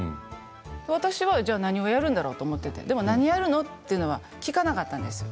私は何をやるんだろうと思っていてでも何やるの？というのは聞かなかったんですよ。